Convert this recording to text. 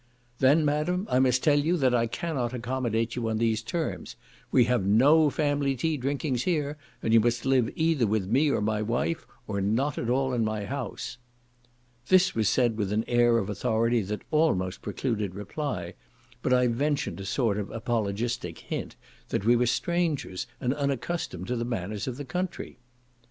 "Then, madam, I must tell you, that I cannot accommodate you on these terms; we have no family tea drinkings here, and you must live either with me or my wife, or not at all in my house." This was said with an air of authority that almost precluded reply, but I ventured a sort of apologistic hint, that we were strangers and unaccustomed to the manners of the country.